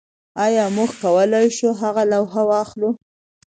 ایا موږ کولی شو هغه لوحه واخلو